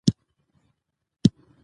لوستې میندې د ماشوم سالم راتلونکی غواړي.